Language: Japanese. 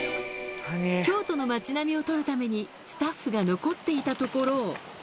京都の街並みを撮るためにスタッフが残っていたところを。